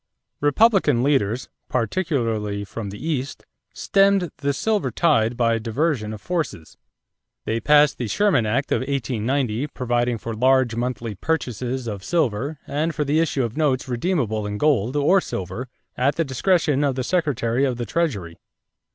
= Republican leaders, particularly from the East, stemmed the silver tide by a diversion of forces. They passed the Sherman Act of 1890 providing for large monthly purchases of silver and for the issue of notes redeemable in gold or silver at the discretion of the Secretary of the Treasury.